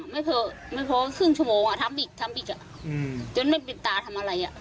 ไม่เพิ่ร์ขึ้นชั่วโมงอะทำกึ่งจนไม่เป็นตาทำอะไรอะ